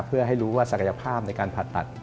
เพื่อให้รู้ว่าศักยภาพในการผ่าตัด